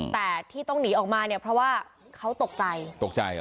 แต่ที่ต้องหนีออกมาเนี่ยเพราะว่าเขาตกใจ